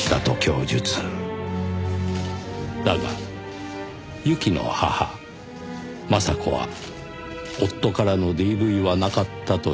だが侑希の母麻紗子は夫からのＤＶはなかったと主張。